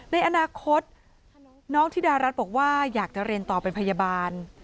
ในอนาคตน้องธิดารัฐบอกว่าอยากจะเรียนต่อเป็นพยาบาล